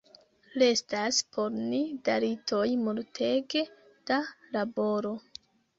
Restas por ni dalitoj multege da laboro.